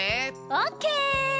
オッケー！